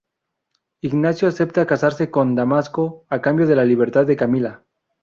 Ignacio aceptara casarse con Damasco, a cambio de la libertad de Camila.